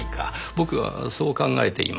僕はそう考えています。